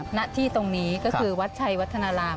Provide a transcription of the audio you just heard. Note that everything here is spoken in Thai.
หน้าที่ตรงนี้ก็คือวัดชัยวัฒนาราม